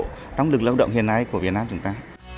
năng lực lãng động hiện nay của việt nam chúng ta